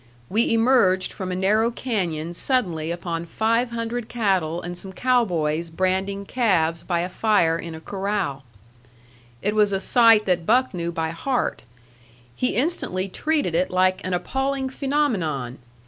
We emerged from a narrow canyon suddenly upon five hundred cattle and some cow boys branding calves by a fire in a corral. It was a sight that Buck knew by heart. He instantly treated it like an appalling phenomenon.